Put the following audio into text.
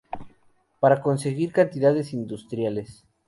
Para conseguir cantidades industriales.